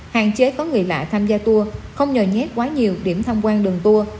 hạn chế có người lạ tham gia tour không nhờ nhét quá nhiều điểm tham quan đường tour